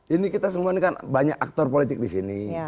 ini kita semua ini kan banyak aktor politik di sini